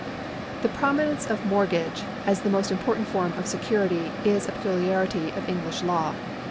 The prominence of mortgage as the most important form of security is a peculiarity of English law.